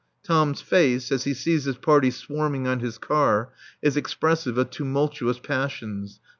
Tom's face, as he sees this party swarming on his car, is expressive of tumultuous passions.